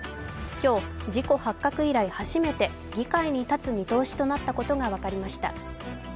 今日、事故発覚以来、初めて議会に立つ見通しとなったことが分かりました。